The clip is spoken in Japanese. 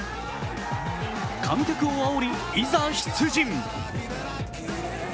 観客をあおり、いざ出陣。